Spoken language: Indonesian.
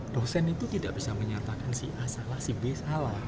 dosen itu tidak bisa menyatakan si a salah si b salah